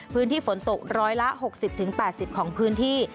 พื้นที่ฝนตกร้อยละ๖๐๘๐ของพื้นที่